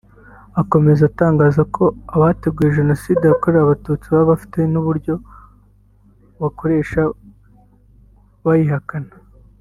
Akomeza atangaza ko abateguye Jenoside yakorewe Abatutsi baba bafite n’uburyo bakoresha bayihakana